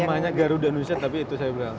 namanya garuda indonesia tapi itu saya bilang